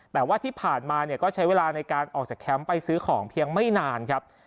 แต่ว่าที่ผ่านมาเนี่ยก็ใช้เวลาในการออกจากแคมป์ไปซื้อของเพียงไม่นานครับ